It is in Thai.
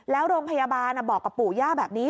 แล้วโรงพยาบาลบอกกับปู่ย่าแบบนี้